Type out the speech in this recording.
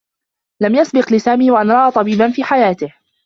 لم يسبق لسامي و أن رأى طبيبا في حياته.